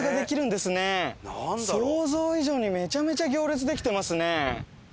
想像以上にめちゃめちゃ行列できてますね。